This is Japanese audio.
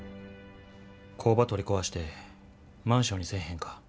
工場取り壊してマンションにせえへんか？